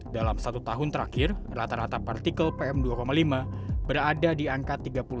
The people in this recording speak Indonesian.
dalam satu tahun terakhir rata rata partikel pm dua lima berada di angka tiga puluh lima